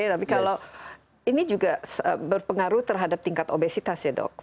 tapi kalau ini juga berpengaruh terhadap tingkat obesitas ya dok